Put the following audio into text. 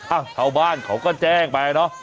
ชาวบ้านเขาก็แจ้งไปเนอะ